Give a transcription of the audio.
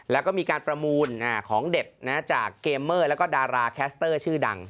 แล้วก็มีการประมูลของเด็ดจากเกมเมอร์แล้วก็ดาราแคสเตอร์ชื่อดัง